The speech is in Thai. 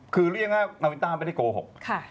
คือเรียกว่านาวินต้าไม่ได้โกหก